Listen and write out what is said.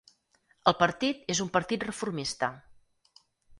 El partit és un partit reformista.